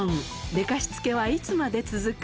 「寝かしつけはいつまで続く？」